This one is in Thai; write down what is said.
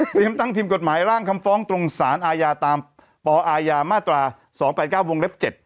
เตรียมตั้งทีมกฎหมายร่างคำฟ้องตรงศาลอาญาตามปอาญามาตราสองแปดเก้าวงเล็บเจ็ด